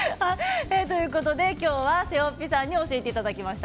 今日はＳＥＯＰＰＩさんに教えていただきました。